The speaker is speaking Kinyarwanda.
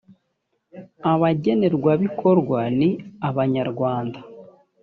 abagenerwabikorwa ni abanyarwanda